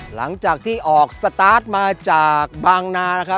หลังจากที่ออกสตาร์ทมาจากบางนา